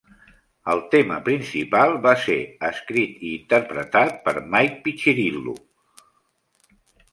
El tema principal va ser escrit i interpretat per Mike Piccirillo.